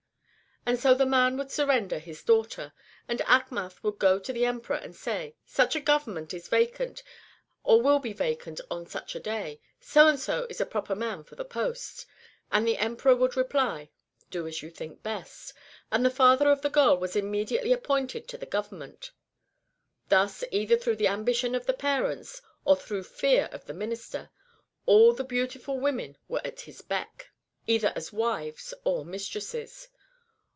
And so the man would surrender his dauohter. And Achmath would go to the Emperor, and say :" Such a government is vacant, or will be vacant on such a day. So and So is a proper man for the post." And the Emperor would reply :" Do as you think best ;" and the father of the girl was immediately appointed to the government. Thus either through the ambition of the parents, or through fear of the Minister, all the beautiful women were at his beck, either as wives or mistresses.